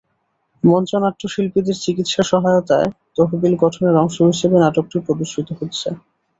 মঞ্চ নাট্যশিল্পীদের চিকিৎসা সহায়তায় তহবিল গঠনের অংশ হিসেবে নাটকটি প্রদর্শিত হচ্ছে।